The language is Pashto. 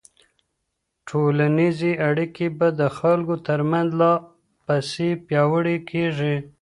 ټولنيزې اړيکې به د خلګو ترمنځ لا پسې پياوړي کيږي.